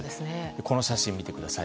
この写真を見てください。